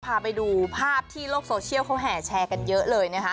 พาไปดูภาพที่โลกโซเชี่ยวแชร์กันเยอะเลย